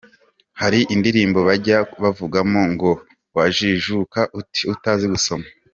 Hari indirimbo bajyaga bavugamo ngo “wajijuka ute, utazi gusoma?”.